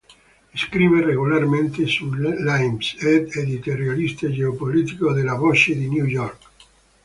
Scrive regolarmente su "Limes", ed è editorialista geopolitico de "La Voce di New York".